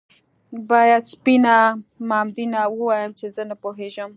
باید سپينه مامدينه ووايم چې زه نه پوهېدم